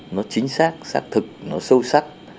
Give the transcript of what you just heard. nó chính xác xác thực nó sâu sắc